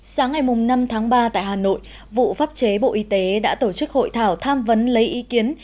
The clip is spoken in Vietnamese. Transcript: sáng ngày năm tháng ba tại hà nội vụ pháp chế bộ y tế đã tổ chức hội thảo tham vấn lấy ý kiến